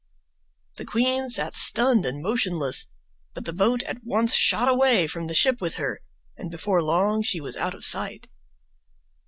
The queen sat stunned and motionless, but the boat at once shot away from the ship with her, and before long she was out of sight.